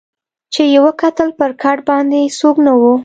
چي یې وکتل پر کټ باندي څوک نه وو